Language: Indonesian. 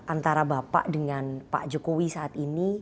antara bapak dengan pak jokowi saat ini